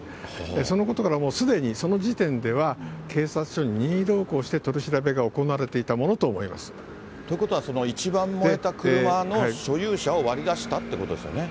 そのことからもうすでに、その時点では警察署に任意同行して、取り調べが行われていたものと思いということは、一番燃えた車の所有者を割り出したってことですよね。